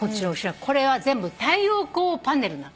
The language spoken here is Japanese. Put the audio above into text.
これは全部太陽光パネルなの。